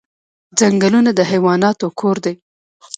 ځنګلونه د حیواناتو کور دی